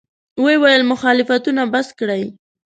ویې ویل: مخالفتونه بس کړئ.